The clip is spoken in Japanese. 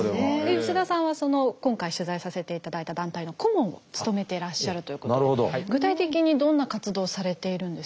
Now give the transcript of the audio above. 吉田さんはその今回取材させていただいた団体の顧問を務めていらっしゃるということで具体的にどんな活動をされているんですか？